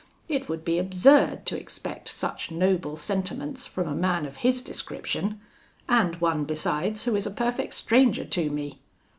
It would be absurd to expect such noble sentiments from a man of his description, and one, besides, who is a perfect stranger to me.